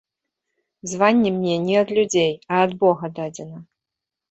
Званне мне не ад людзей, а ад бога дадзена.